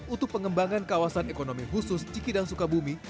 untuk pengembangan kawasan ekonomi khusus cikidang sukabumi